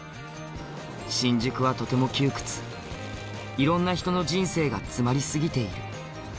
「新宿はとても窮屈色んな人の人生がつまりすぎている」